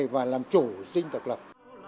và làm chủ dinh tập lập